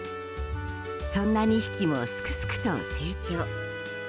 そんな２匹もすくすくと成長。